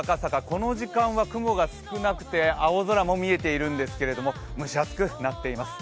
この時間は雲が少なくて青空も見えているんですけれども蒸し暑くなっています。